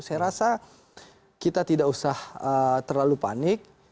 saya rasa kita tidak usah terlalu panik